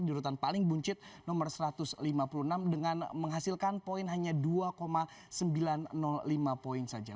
di urutan paling buncit nomor satu ratus lima puluh enam dengan menghasilkan poin hanya dua sembilan ratus lima poin saja